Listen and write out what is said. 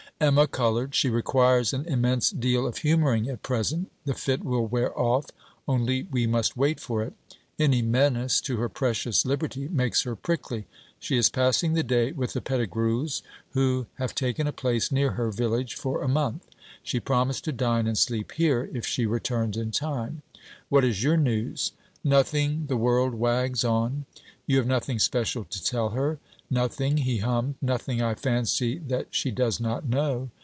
Emma coloured. 'She requires an immense deal of humouring at present. The fit will wear off; only we must wait for it. Any menace to her precious liberty makes her prickly. She is passing the day with the Pettigrews, who have taken a place near her village for a month. She promised to dine and sleep here, if she returned in time. What is your news?' 'Nothing; the world wags on.' 'You have nothing special to tell her?' 'Nothing'; he hummed; 'nothing, I fancy, that she does not know.'